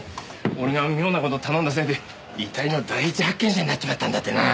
俺が妙な事を頼んだせいで遺体の第一発見者になっちまったんだってな。